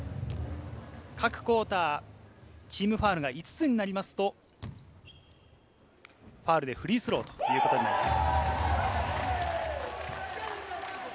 各クオーター、チームファウルが５つになりますとファウルでフリースローということになります。